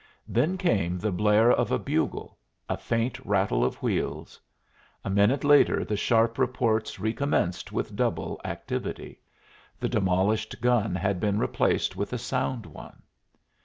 Then came the blare of a bugle, a faint rattle of wheels; a minute later the sharp reports recommenced with double activity. The demolished gun had been replaced with a sound one.